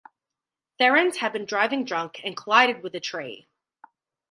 Therens had been driving drunk and collided with a tree.